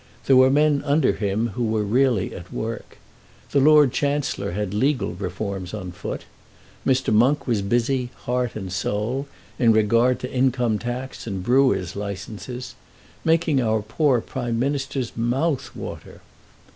There were men under him who were really at work. The Lord Chancellor had legal reforms on foot. Mr. Monk was busy, heart and soul, in regard to income tax and brewers' licences, making our poor Prime Minister's mouth water.